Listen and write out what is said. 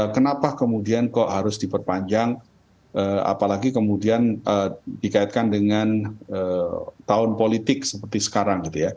kenapa kemudian kok harus diperpanjang apalagi kemudian dikaitkan dengan tahun politik seperti sekarang gitu ya